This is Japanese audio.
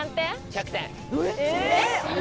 １００点。